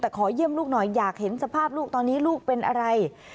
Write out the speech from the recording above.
แต่ขอเยี่ยมลูกหน่อยอยากเห็นสภาพลูกตอนนี้ลูกเป็นอะไร